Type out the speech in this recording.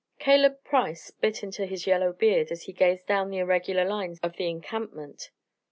Caleb Price bit into his yellow beard as he gazed down the irregular lines of the encampment.